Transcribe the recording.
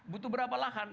butuh berapa lahan